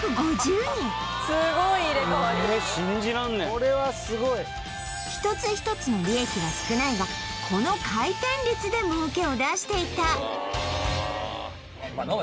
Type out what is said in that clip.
これはスゴイ一つ一つの利益は少ないがこの回転率で儲けを出していたああ